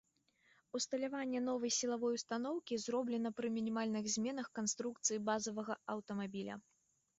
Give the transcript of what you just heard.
Усталяванне новай сілавой устаноўкі зроблена пры мінімальных зменах канструкцыі базавага аўтамабіля.